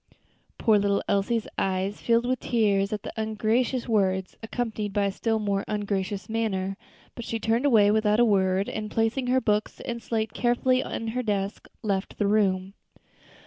Poor little Elsie's eyes filled with tears at these ungracious words, accompanied by a still more ungracious manner; but she turned away without a word, and placing her books and slate carefully in her desk, left the room.